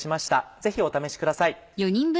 ぜひお試しください。